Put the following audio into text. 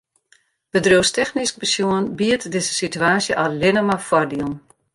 Bedriuwstechnysk besjoen biedt dizze situaasje allinnich mar foardielen.